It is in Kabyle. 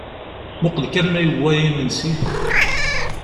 Muqel kan ma yewwa yimensi?